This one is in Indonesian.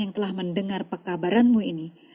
yang telah mendengar pekabaranmu ini